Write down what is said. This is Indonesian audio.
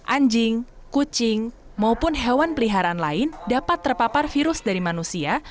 anjing kucing maupun hewan peliharaan lain dapat terpapar virus dari manusia